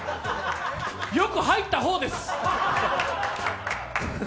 よく入った方です。